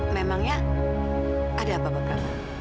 memangnya ada apa apa